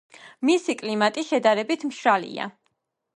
მისი კლიმატი შედარებით მშრალია.